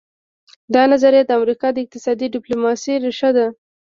دا نظریه د امریکا د اقتصادي ډیپلوماسي ریښه ده